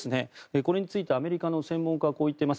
これについてアメリカの専門家はこう言っています。